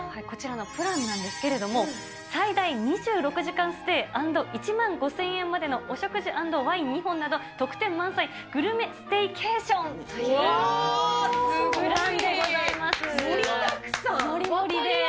こちらのプランなんですけれども、最大２６時間ステイ＆１万５０００円までのお食事＆ワイン２本など、特典満載、グルメステイケーションということで。